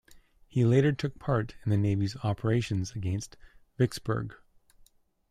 He later took part in the Navy's operations against Vicksburg.